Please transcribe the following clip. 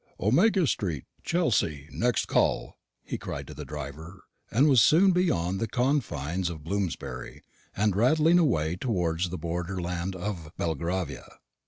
"Omega street, Chelsea, next call," he cried to the driver; and was soon beyond the confines of Bloomsbury, and rattling away towards the border land of Belgravia.